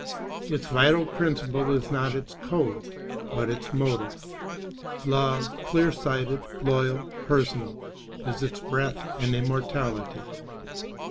Its vital principle is not its code, but its motive. Love, clear sighted, loyal, personal, is its breath and immortality.